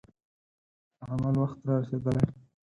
د عمل وخت را رسېدلی دی.